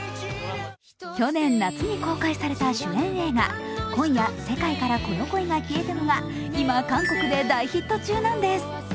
去年夏に公開された主演映画「今夜、世界からこの恋が消えても」が今、韓国で大ヒット中なんです。